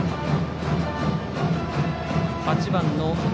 ８番の峯。